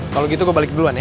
kalo gitu gue balik duluan ya